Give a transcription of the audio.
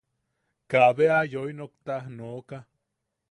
Kaabe aa yoi nokta nooka.